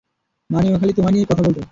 মানে, ও খালি তোমায় - নিয়েই কথা বলতো।